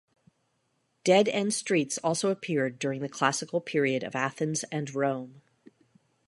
Dead-end streets also appeared during the classical period of Athens and Rome.